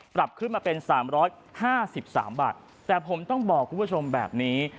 ปรับขึ้นมาเป็น๓๕๓บาทแต่ผมต้องบอกคุณผู้ชมแบบนี้